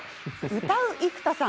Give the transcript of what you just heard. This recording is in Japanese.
歌う生田さん。